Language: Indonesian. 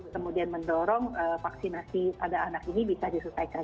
kemudian mendorong vaksinasi pada anak ini bisa diselesaikan